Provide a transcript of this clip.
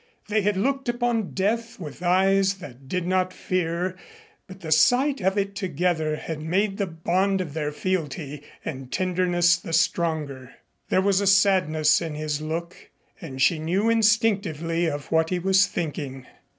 They had looked upon Death with eyes that did not fear, but the sight of it together had made the bond of their fealty and tenderness the stronger. There was a sadness in his look and she knew instinctively of what he was thinking.